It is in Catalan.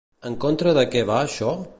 En contra de què va això?